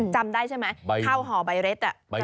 จำได้ใช่ไหมเข้าห่อใบเร็ด